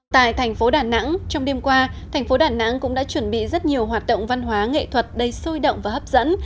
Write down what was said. tại thành phố đà nẵng trong đêm qua thành phố đà nẵng cũng đã chuẩn bị rất nhiều hoạt động văn hóa nghệ thuật đầy sôi động và hấp dẫn